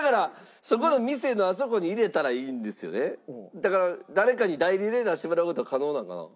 だから誰かに代理で出してもらう事は可能なんかな？